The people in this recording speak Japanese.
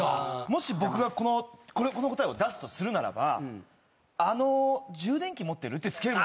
もし僕がこの答えを出すとするならば「あの充電器持ってる？」って付ける。